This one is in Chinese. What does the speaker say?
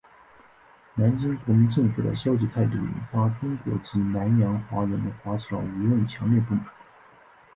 南京国民政府的消极态度引发中国及南洋华人华侨舆论强烈不满。